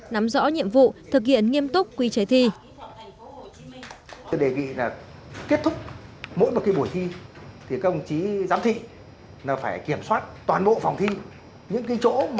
nắm rõ nhiệm vụ thực hiện nghiêm túc quy chế thi